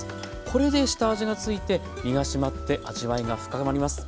これで下味が付いて身が締まって味わいが深まります。